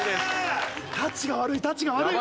タチが悪いタチが悪い！